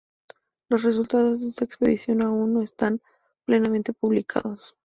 Los resultados de esa expedición aún no están plenamente publicados.